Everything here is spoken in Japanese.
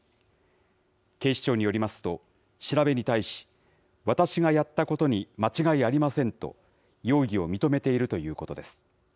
警視庁によりますと、調べに対し、私がやったことに間違いありませんと、容疑を認めているということです。